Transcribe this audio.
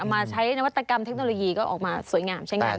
มาใช้นวัตกรรมเทคโนโลยีก็ออกมาสวยงามใช้งาน